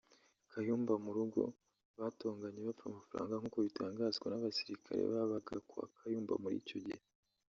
Kayumba murugo batonganye bapfa amafaranga nkuko bitangazwa n’abasilikare babaga kwa Kayumba muri icyo gihe